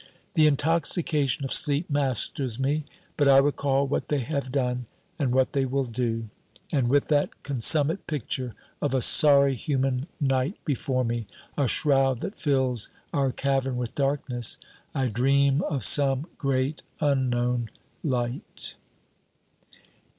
The intoxication of sleep masters me. But I recall what they have done and what they will do; and with that consummate picture of a sorry human night before me, a shroud that fills our cavern with darkness, I dream of some great unknown light.